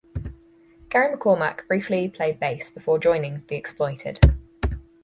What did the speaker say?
Gary McCormack briefly played bass before joining The Exploited.